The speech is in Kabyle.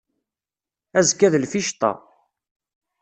Azekka d lficṭa.